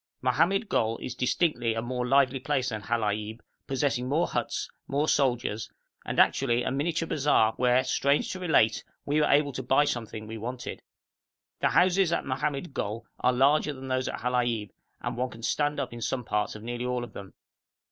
Mohammed Gol is distinctly a more lively place than Halaib, possessing more huts, more soldiers, and actually a miniature bazaar where, strange to relate, we were able to buy something we wanted. The houses at Mohammed Gol are larger than those at Halaib, and one can stand up in some parts of nearly all of them.